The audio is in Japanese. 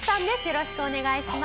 よろしくお願いします。